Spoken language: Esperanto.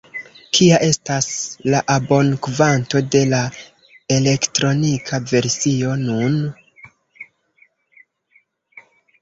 Kia estas la abonkvanto de la elektronika versio nun?